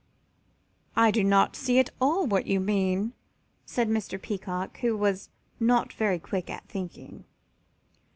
"I do not see at all what you mean," said Mr. Peacock, who was not very quick at thinking.